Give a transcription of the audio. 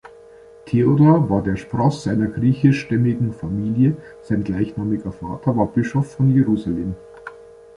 Theodor war der Spross einer griechischstämmigen Familie, sein gleichnamiger Vater war Bischof von Jerusalem.